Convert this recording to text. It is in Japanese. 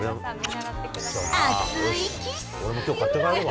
熱いキス。